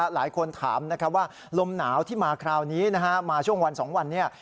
หลายคนถามว่าลมหนาวที่มาคราวนี้มาช่วงวัน๒วันนี้